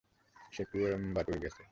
সে কোয়েম্বাটুর গেছে।